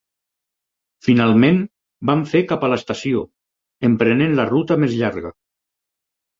Finalment, vam fer cap a l'estació, emprenent la ruta més llarga